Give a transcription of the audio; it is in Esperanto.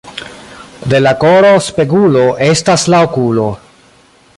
De la koro spegulo estas la okulo.